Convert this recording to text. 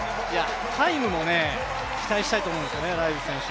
タイムも期待したいと思うんです、ライルズ選手。